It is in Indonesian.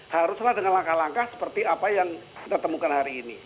haruslah dengan langkah langkah seperti apa yang kita temukan hari ini